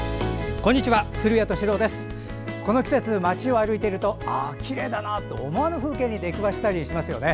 この季節、街を歩いているとああ、きれいだなと思わぬ風景に出くわしたりしますよね。